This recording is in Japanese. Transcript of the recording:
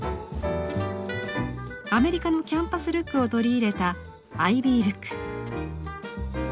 アメリカのキャンパスルックを取り入れたアイビールック。